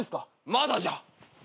まだじゃ。